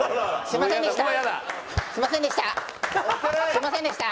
すみませんでした。